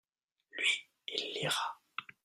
lui, il lira.